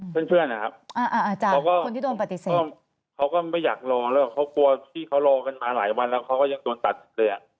เพื่อนนะครับเขาก็ไม่อยากรอแล้วเขากลัวที่เขารอกันมาหลายวันแล้วเขาก็ยังโดนตัดเลย